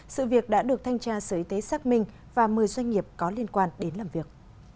sự việc đã được thanh tra sở y tế xác minh và một mươi doanh nghiệp có liên quan đến làm việc